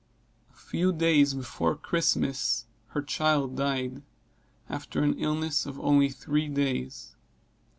A few days before Christmas, her child died, after an illness of only three days.